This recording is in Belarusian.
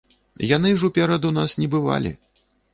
Яны ж уперад у нас не бывалі.